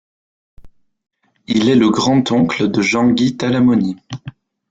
Il est le grand-oncle de Jean-Guy Talamoni.